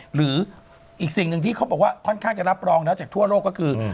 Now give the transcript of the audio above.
หรืออีกสิ่งหนึ่งที่เขาบอกว่าค่อนข้างจะรับรองแล้วจากทั่วโลกก็คือ